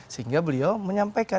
sehingga beliau menyampaikan